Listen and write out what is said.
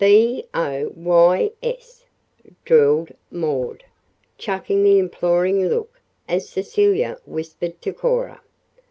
"B o y s!" drawled Maud, "chucking the imploring look," as Cecilia whispered to Cora.